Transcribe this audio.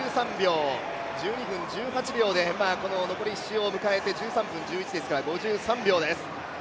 １２分１８秒で残り１周を迎えて１３分１１ですから、５３秒です。